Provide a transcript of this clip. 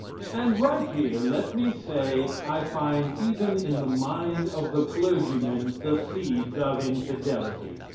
And right here let me say I find even in the mind of the clergymen the seeds of infidelity.